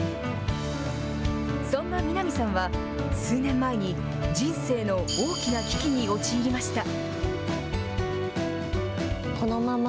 そんな南さんは、数年前に人生の大きな危機に陥りました。